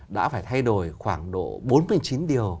đã phải thay đổi khoảng độ bốn mươi chín điều